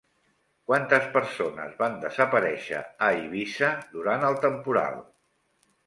Quantes persones van desaparèixer a Eivissa durant el temporal?